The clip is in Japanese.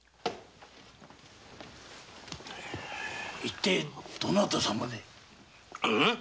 一体どなた様で？